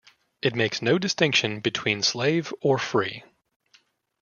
It makes no distinction between slave or free.